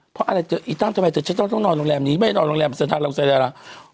เพราะอะไรเจอไอ้ตั้งทำไมแต่ฉันต้องนอนโรงแรมนี้ไม่นอนโรงแรมสนักลงเศรษฐรรม